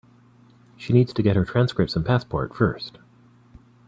She needs to get her transcripts and passport first.